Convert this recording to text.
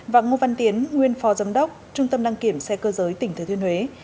và ngô văn tiến nguyên phò giám đốc trung tâm đăng kiểm xe cơ giới tỉnh thừa thuyên huế